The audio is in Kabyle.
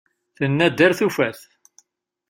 Tenna-d ar tufat.